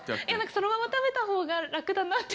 そのまま食べた方が楽だなって。